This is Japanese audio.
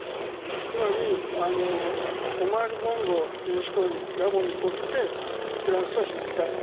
つまりオマール・ボンゴという人はガボンにとってフランスは必須だと。